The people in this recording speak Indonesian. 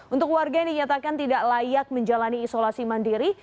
untuk warga yang dinyatakan tidak layak menjalani isolasi mandiri